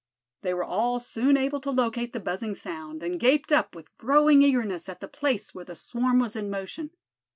They were all soon able to locate the buzzing sound, and gaped up with growing eagerness at the place where the swarm was in motion.